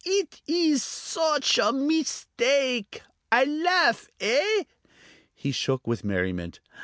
"Eet ees such a meestake! I laugh; eh?" He shook with merriment.